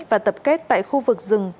và tập kết tại khu vực rừng